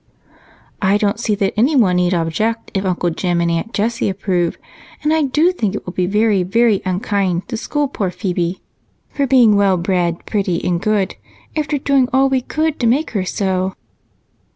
"I don't see that anyone need object if Uncle Jem and Aunt Jessie approve, and I do think it will be very, very unkind to scold poor Phebe for being well bred, pretty, and good, after doing all we could to make her so."